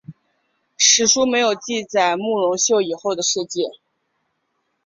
史书没有记载慕容秀以后的事迹。